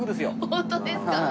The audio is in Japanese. ホントですか。